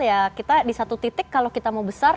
ya kita di satu titik kalau kita mau besar